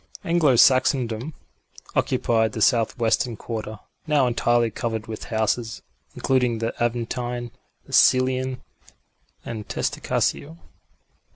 Anglo Saxondom occupied the southwestern quarter, now entirely covered with houses, including the Aventine, the Celian and Testaccio.